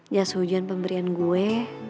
jasujen pemberian gue